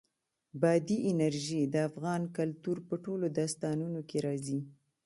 بادي انرژي د افغان کلتور په ټولو داستانونو کې راځي.